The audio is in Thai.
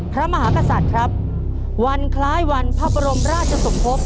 พระมหากษัตริย์ครับวันคล้ายวันพระบรมราชสมภพ